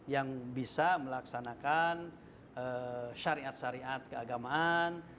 yang bisa melaksanakan syariat syariat keagamaan